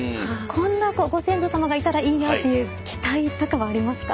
こんなご先祖様がいたらいいなという期待とかはありますか。